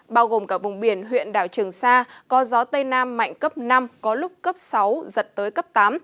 bao gồm cả vùng biển huyện đảo trường sa có gió tây nam mạnh cấp năm có lúc cấp sáu giật tới cấp tám